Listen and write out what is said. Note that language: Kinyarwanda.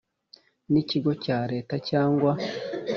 n ikigo cya Leta cyangwa